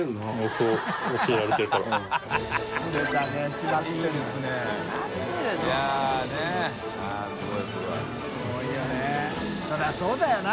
そりゃそうだよな。